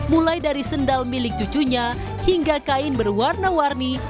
mulai dari sendal milik cucunya hingga kain berwarna warni